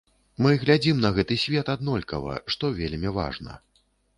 Мы глядзім на гэты свет аднолькава, што вельмі важна.